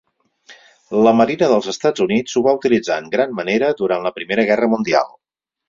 La marina dels Estats Units ho va utilitzar en gran manera durant la Primera Guerra Mundial.